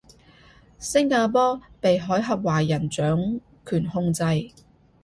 星加坡被海峽華人掌權控制